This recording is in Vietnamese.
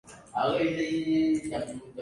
Em về nghe tiếng gió ru